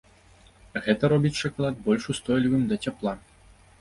Гэта робіць шакалад больш устойлівым да цяпла.